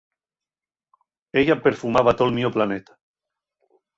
Ella perfumaba tol mio planeta.